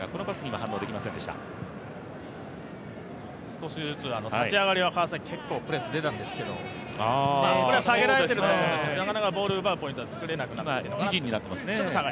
少しずつ、立ち上がり川崎は結構プレス出たんですけどなかなかボールを奪うポイントが作れなくなってます。